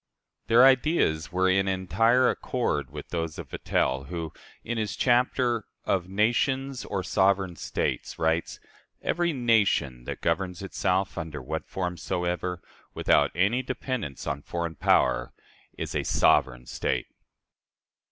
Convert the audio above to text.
Their ideas were in entire accord with those of Vattel, who, in his chapter "Of Nations or Sovereign States," writes, "Every nation that governs itself, under what form soever, without any dependence on foreign power, is a sovereign state."